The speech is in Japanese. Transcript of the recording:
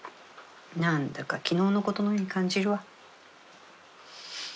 なんだか昨日の事のように感じるわ。